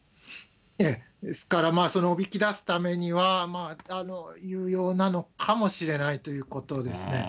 ですから、おびき出すためには、有用なのかもしれないということですね。